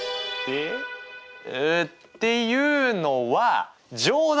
っていうのは冗談ですね。